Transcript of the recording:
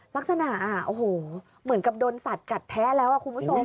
ลักษณะโอ้โหเหมือนกับโดนสัตว์กัดแท้แล้วคุณผู้ชม